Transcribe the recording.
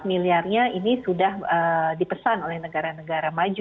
empat miliarnya ini sudah dipesan oleh negara negara maju